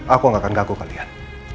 aku enggak akan gagal kalian